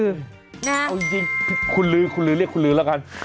เอาจริงคุณลือคุณลือเรียกคุณลือแล้วกัน